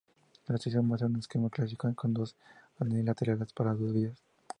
La estación muestra un esquema clásico con dos andenes laterales para dos vías.